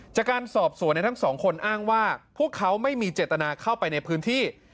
จากการสอบสวนทั้งสองคนอ้างว่าพวกเขาไม่มีเจตนาเข้าไปในพื้นที่